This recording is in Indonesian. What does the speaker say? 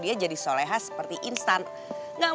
yaudah ya om